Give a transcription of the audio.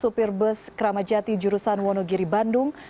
sopir bus keramajati jurusan wonogiri bandung